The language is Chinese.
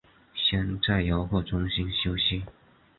先在游客中心休息